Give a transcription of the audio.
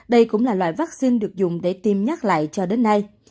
đây cũng là loại vaccine được dùng để tiêm nhắc lại cho đến nay